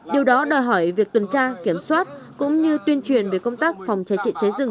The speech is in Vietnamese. điều đó đòi hỏi việc tuần tra kiểm soát cũng như tuyên truyền về công tác phòng cháy trị cháy rừng